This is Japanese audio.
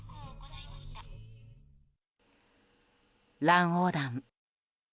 乱横断。